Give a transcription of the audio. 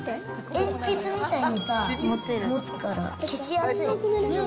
鉛筆みたいにさ、持つから消しやすい。